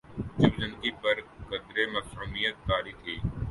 جب زندگی پہ قدرے معصومیت طاری تھی۔